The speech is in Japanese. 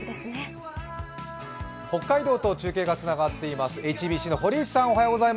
北海道と中継がつながっています。